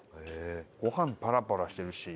ご飯パラパラしてるし。